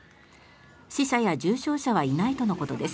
死者や重傷者はいないとのことです。